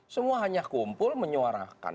semua hanya kumpul menyuarakan